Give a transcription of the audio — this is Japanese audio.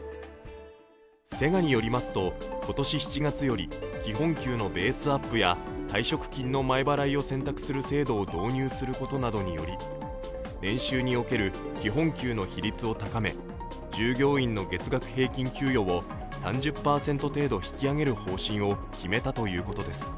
セガによりますと、今年７月より基本給のベースアップや退職金の前払いを選択する制度を導入することなどにより年収における基本給の比率を高め従業員の月額平均給与を３０％程度引き上げる方針を決めたということです。